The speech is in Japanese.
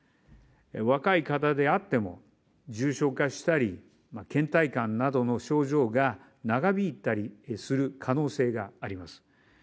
若い方であっても、重症化したり、けん怠感などの症状が長引いたりする可能性があります。